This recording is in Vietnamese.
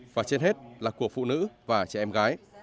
và trên hết là của phụ nữ và trẻ em gái